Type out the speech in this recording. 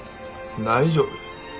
大丈夫。